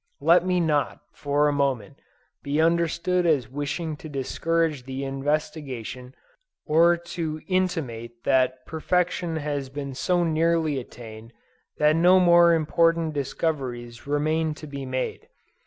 Let me not, for a moment, be understood as wishing to discourage investigation, or to intimate that perfection has been so nearly attained that no more important discoveries remain to be made.